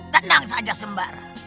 tenang saja sembar